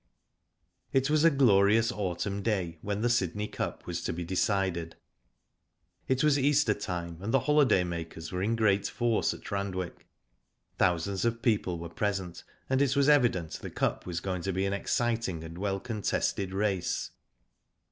It was a glorious autumn day when the Sydney Cup was to be decided. It was Easter time, and the holiday makers were in great force at Randwick. Thousands of people were present, and it was evident the Cup was going to be an exciting and well contested race.